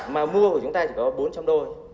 mà mua của chúng ta chỉ có bốn trăm linh đôi